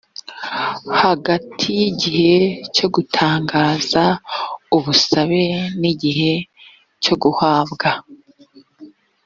hagati y igihe cyo gutangaza ubusabe n igihe cyo guhabwa